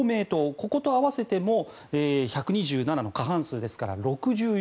ここと合わせても１２７の過半数ですから６４。